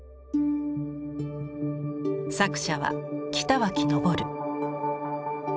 作者は北脇昇。